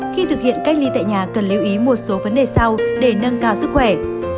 khi thực hiện cách ly tại nhà cần lưu ý một số vấn đề sau để nâng cao sức khỏe